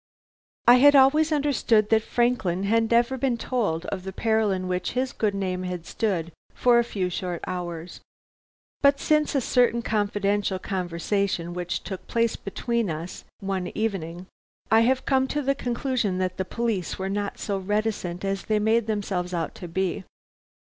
I had always understood that Franklin had never been told of the peril in which his good name had stood for a few short hours. But since a certain confidential conversation which took place between us one evening, I have come to the conclusion that the police were not so reticent as they made themselves out to be.